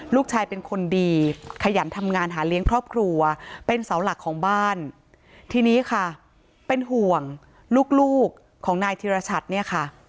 ลูกชายเป็นคนดีขยันทำงานหาเลี้ยงครอบครัวเป็นเสาหลักของบ้านทีนี้ค่ะเป็นห่วงลูกลูกของนายธิรชัดเนี่ยค่ะ